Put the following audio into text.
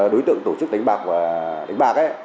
đối tượng tổ chức đánh bạc và đánh bạc